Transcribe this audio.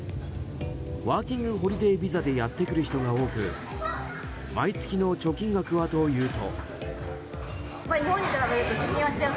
ワーキングホリデービザでやってくる人が多く毎月の貯金額はというと。